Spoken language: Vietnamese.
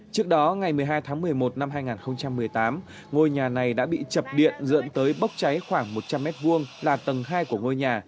trước đó ngày một mươi hai tháng một mươi một năm hai nghìn một mươi tám ngôi nhà này đã bị chập điện dẫn tới bốc cháy khoảng một trăm linh m hai là tầng hai của ngôi nhà